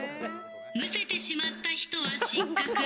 むせてしまった人は失格。